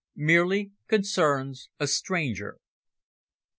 MERELY CONCERNS A STRANGER.